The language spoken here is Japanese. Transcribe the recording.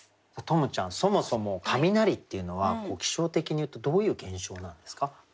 十夢ちゃんそもそも雷っていうのは気象的に言うとどういう現象なんですか？